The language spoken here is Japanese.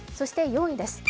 ４位です。